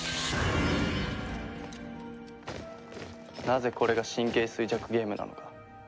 なぜこれが神経衰弱ゲームなのか。